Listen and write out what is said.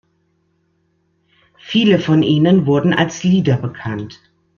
Viele von ihnen wurden als Lieder bekannt.